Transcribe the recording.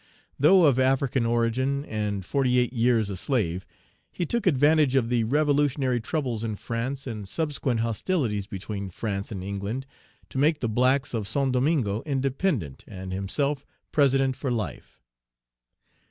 Though of African origin, and forty eight years a slave, he took advantage of the revolutionary troubles in France, and subsequent hostilities between France and England, to make the blacks of St. Domingo independent, and himself President for life.